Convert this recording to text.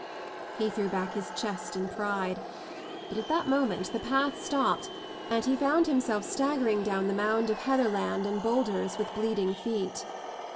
He threw back his chest in pride : but at that moment the path stopped and he found himself staggering down the mound of heatherland and boulders with bleeding feet.